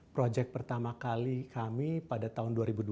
proyek pertama kali kami pada tahun dua ribu dua belas